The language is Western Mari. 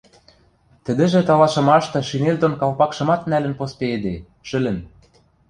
Тӹдӹжӹ талашымашты шинель дон калпакшымат нӓлӹн поспейӹде – шӹлӹн...